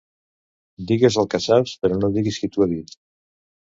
Digues el que saps, però no diguis qui t'ho ha dit.